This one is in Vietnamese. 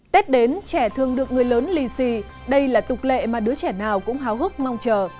tết đến trẻ thường được người lớn lì xì đây là tục lệ mà đứa trẻ nào cũng hào hức mong chờ